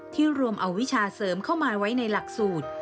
รวมเอาวิชาเสริมเข้ามาไว้ในหลักสูตร